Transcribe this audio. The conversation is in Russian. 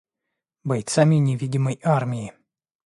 бойцами невидимой армии.